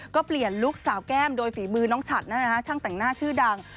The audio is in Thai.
ก็เปลี่ยนลุคสาวแก้มโดยฝีมือน้องฉัดช่างแต่งหน้าชื่อดัง